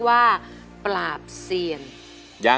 กลับไปก่อนที่สุดท้าย